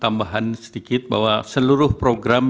tambahan sedikit bahwa seluruh program